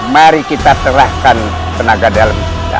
mari kita serahkan tenaga dalam